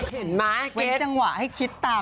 เห็นมั้ยเกรดเว้นจังหวะให้คิดต่ำนะ